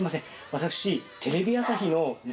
私。